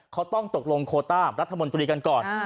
เขาต้องตกลงโคต้ารัฐมนตรีกันก่อน